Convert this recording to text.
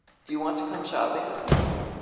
Do you want to come shopping with me?